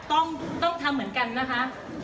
ต้องทำเหมือนกันนะคะ